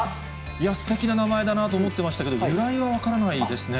いや、すてきな名前だなと思ってましたけど、由来は分からないですね。